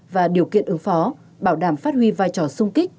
và điều kiện ứng phó bảo đảm phát huy vai trò sung kích